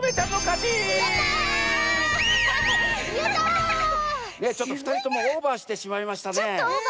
ちょっとオーバーしてしまいましたね。